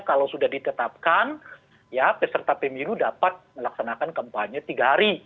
kalau sudah ditetapkan ya peserta pemilu dapat melaksanakan kampanye tiga hari